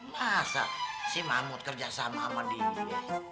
masa si mamut kerja sama sama dia